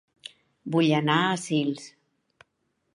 Vull anar a Sils